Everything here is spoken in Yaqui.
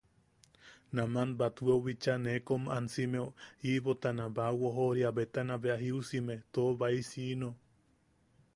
Naman batweu bicha nee kom ansimeo, iʼibotana baʼawojoʼoria betana bea jiusime too baisiino.